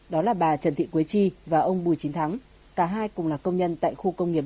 đó là bà trần thị quế chi và ông bùi chính thắng cả hai cùng là công nhân tại khu công nghiệp bốn